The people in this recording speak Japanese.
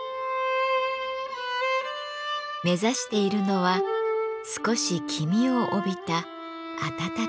目指しているのは少し黄みを帯びた温かい白。